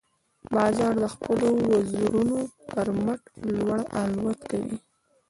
باز د خپلو وزرونو پر مټ لوړ الوت کوي